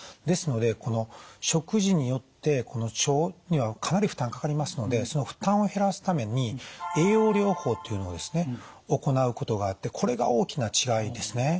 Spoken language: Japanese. ですので食事によって腸にはかなり負担かかりますのでその負担を減らすために栄養療法というのをですね行うことがあってこれが大きな違いですね。